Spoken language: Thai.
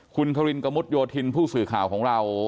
คุณครินกระมุดโยธินผู้สื่อข่าวของเรา